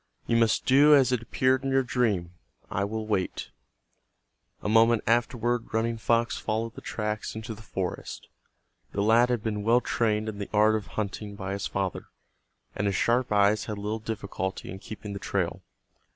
"You must do as it appeared in your dream. I will wait." A moment afterward Running Fox followed the tracks into the forest. The lad had been well trained in the art of hunting by his father, and his sharp eyes had little difficulty in keeping the trail.